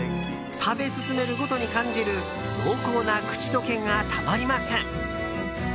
食べ進めるごとに感じる濃厚な口溶けがたまりません。